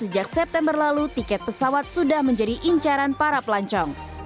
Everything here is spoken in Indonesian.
sejak september lalu tiket pesawat sudah menjadi incaran para pelancong